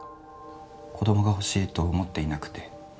子供が欲しいと思っていなくて。